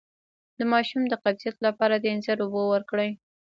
د ماشوم د قبضیت لپاره د انځر اوبه ورکړئ